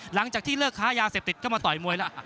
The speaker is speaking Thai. หลังจากที่เลิกค้ายาเสพติดก็มาต่อยมวยแล้ว